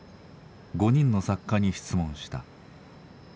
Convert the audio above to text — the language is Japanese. ５人の作家に質問した。